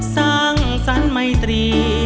สังสรรค์ไม่ตรี